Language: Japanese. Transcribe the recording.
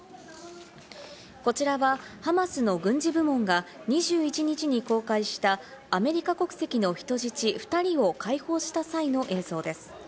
こちらはハマスの軍事部門が２１日に公開したアメリカ国籍の人質２人を解放した際の映像です。